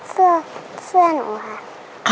เสื้อเสื้อนูค่ะ